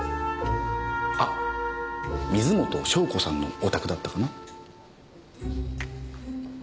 あっ水元湘子さんのお宅だったかな。